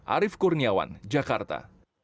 arief kurniawan jakarta